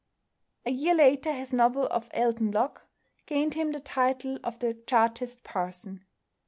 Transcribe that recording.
A year later his novel of "Alton Locke" gained him the title of "The Chartist Parson."